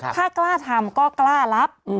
ถ้ากล้าทำก็กล้ารับ